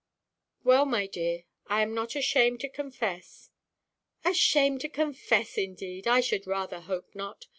"Well, my dear, I am not ashamed to confess——" "Ashamed to confess, indeed! I should rather hope not.